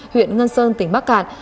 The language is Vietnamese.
huyện ngân sơn tỉnh bắc cạn